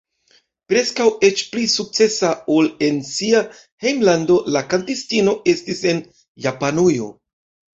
Preskaŭ eĉ pli sukcesa ol en sia hejmlando la kantistino estis en Japanujo.